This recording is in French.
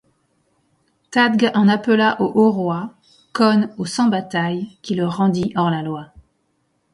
Tadg en appela au Haut Roi, Conn aux Cent Batailles, qui le rendit hors-la-loi.